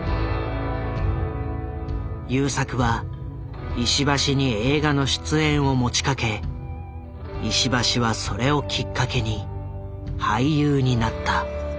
優作は石橋に映画の出演を持ちかけ石橋はそれをきっかけに俳優になった。